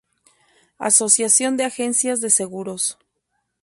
Asociación de Agencias de Seguros.